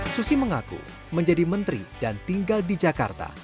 susi mengaku menjadi menteri dan tinggal di jakarta